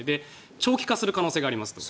長期化する可能性がありますと。